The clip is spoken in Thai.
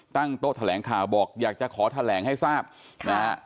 ตั้งโต๊ะแถลงข่าวบอกอยากจะขอแถลงให้ทราบนะฮะ